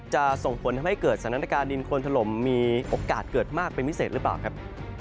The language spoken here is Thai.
จะส่งผลทำให้เกิดสถานการณ์ดินโคนถล่มมีโอกาสเกิดมากเป็นพิเศษหรือเปล่าครับ